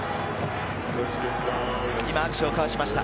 今、握手を交わしました。